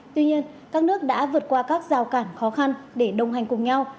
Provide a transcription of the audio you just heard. tuy nhiên các nước đã vượt qua các rào cản khó khăn để đồng hành cùng nhau